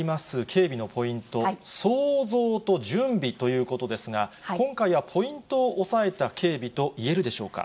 警備のポイント、想像と準備ということですが、今回はポイントを押さえた警備といえるでしょうか。